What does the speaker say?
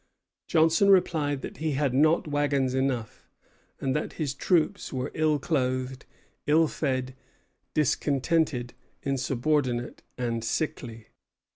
Johnson replied that he had not wagons enough, and that his troops were ill clothed, ill fed, discontented, insubordinate, and sickly.